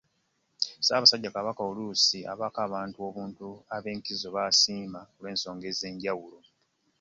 Ssaabasajja Kabaka oluusi abaako abantu abantu ab'enkizo n'abasiima olw'ensonga ez'enjawulo.